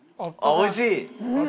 おいしい？